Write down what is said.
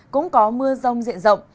cũng có mưa rông diện rộng